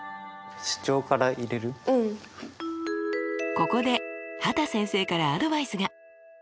ここで畑先生からアドバイスが。